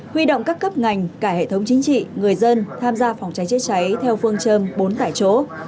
huy động các cấp ngành cả hệ thống chính trị người dân tham gia phòng cháy chữa cháy theo phương châm bốn tại chỗ